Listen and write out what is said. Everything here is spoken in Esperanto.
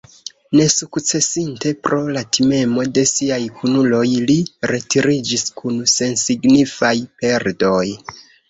Nesukcesinte pro la timemo de siaj kunuloj, li retiriĝis kun sensignifaj perdoj.